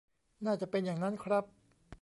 น่าจะเป็นอย่างนั้นครับ